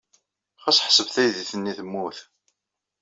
Ɣas ḥseb taydit-nni temmut.